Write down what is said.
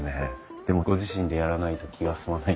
でもご自身でやらないと気が済まない。